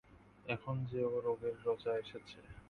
এখন যে ও-রোগের রোজা এসেছে।